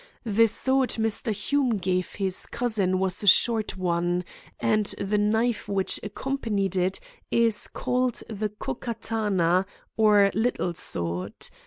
The sword Mr. Hume gave his cousin was a short one, and the knife which accompanied it is called the Ko Katana, or little sword.